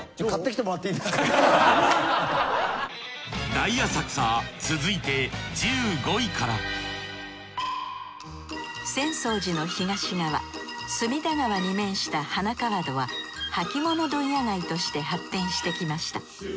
大浅草続いて１５位から浅草寺の東側隅田川に面した花川戸は履物問屋街として発展してきました。